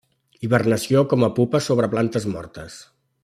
Hibernació com a pupa sobre plantes mortes.